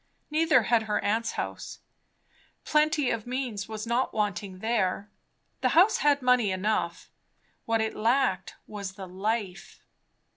Neither had her aunt's house. Plenty of means was not wanting there; the house had money enough; what it lacked was the life.